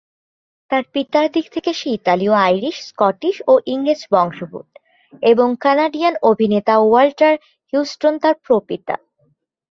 তার পিতার দিক থেকে সে ইতালীয়, আইরিশ, স্কটিশ, ও ইংরেজ বংশদ্ভূত এবং কানাডিয়ান অভিনেতা ওয়াল্টার হিউস্টন তার প্র-পিতা।